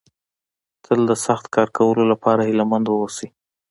تل د سخت کار کولو لپاره هيله مند ووسئ.